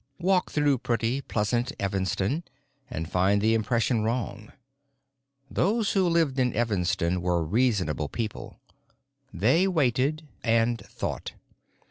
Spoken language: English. Walk through pretty, pleasant Evanston, and find the impression wrong. Those who lived in Evanston were reasonable people. They waited and thought.